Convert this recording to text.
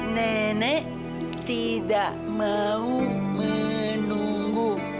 nenek tidak mau menunggu